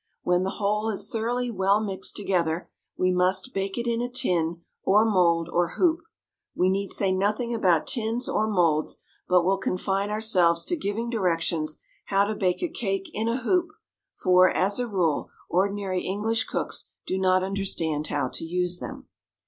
When the whole is thoroughly well mixed together, we must bake it in a tin, or mould, or hoop. We need say nothing about tins or moulds, but will confine ourselves to giving directions how to bake a cake in a hoop, for, as a rule, ordinary English cooks do not understand how to use them.